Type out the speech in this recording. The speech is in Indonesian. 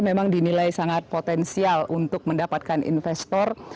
memang dinilai sangat potensial untuk mendapatkan investor